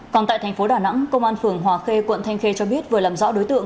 còn tại thành phố đà nẵng công an phường hòa khê quận thanh khê cho biết vừa làm rõ đối tượng